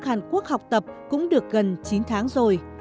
con sang đất nước hàn quốc học tập cũng được gần chín tháng rồi